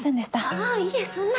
あぁいえそんな。